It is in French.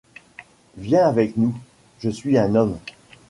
Viens avec nous. -Je suis un homme